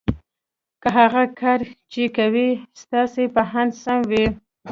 که هغه کار چې کوئ یې ستاسې په اند سم وي